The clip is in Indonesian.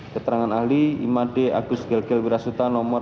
keterangan ahli imade agus gelgel wirasuta nomor enam enam puluh tiga